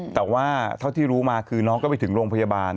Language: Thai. แต่ว่าเท่าที่รู้มาคือน้องก็ไปถึงโรงพยาบาล